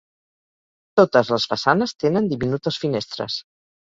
Totes les façanes tenen diminutes finestres.